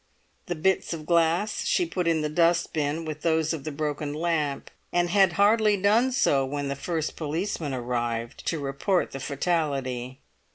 The bits of glass she put in the dust bin with those of the broken lamp, and had hardly done so when the first policeman arrived to report the fatality.